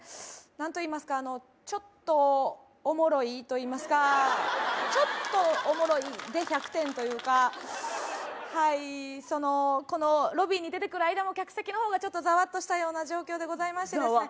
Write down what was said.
なんといいますかあのちょっとオモロイといいますか「ちょっとオモロイ」で１００点というかはいそのこのロビーに出てくる間も客席の方がちょっとざわっとしたような状況でございましてざわ？